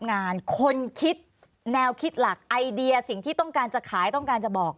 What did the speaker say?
ทนคริสต์แนวคิดหลักไอเดียสิ่งที่ต้องการเช่าขายต้องการเช่าบอก